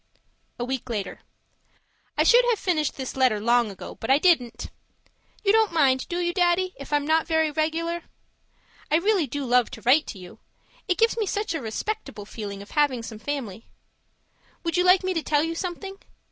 A week later I should have finished this letter long ago, but I didn't. You don't mind, do you, Daddy, if I'm not very regular? I really do love to write to you; it gives me such a respectable feeling of having some family. Would you like me to tell you something?